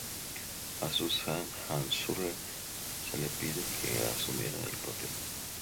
A Susan Ann Sulley se le pidió que asumiera el papel.